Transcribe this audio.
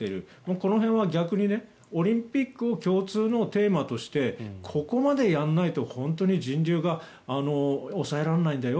この辺は逆にオリンピックを共通のテーマとしてここまでやんないと本当に人流が抑えられないんだよ